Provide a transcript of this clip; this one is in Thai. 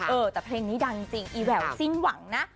เออแต่เพลงนี้ดังจริงอีแหววสิ้นหวังนะ